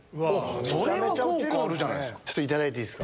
それは効果あるじゃないです